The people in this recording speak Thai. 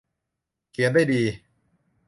เขียนได้ดี